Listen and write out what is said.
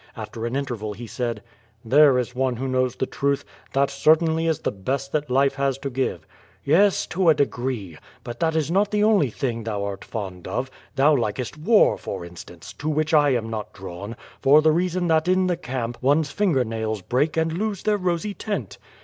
After an interval he said: "There is one who knows the truth. That certainly is the best that life has to give.'' ^TTes — ^to a degree. But that is not the only thing thou art fond of — ^thou likest war, for. instance, to which I am not drawn, for the reason that in the camp one's finger nails break and lose their rosy tint.